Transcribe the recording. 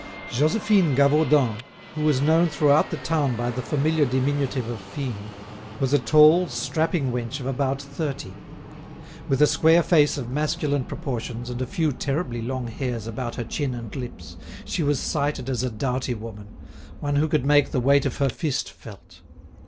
Josephine Gavaudan, who was known throughout the town by the familiar diminutive of Fine, was a tall, strapping wench of about thirty. With a square face of masculine proportions, and a few terribly long hairs about her chin and lips, she was cited as a doughty woman, one who could make the weight of her fist felt.